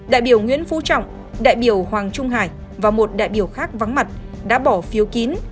đại biểu nguyễn phú trọng đại biểu hoàng trung hải và một đại biểu khác vắng mặt đã bỏ phiếu kín